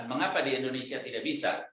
mengapa di indonesia tidak bisa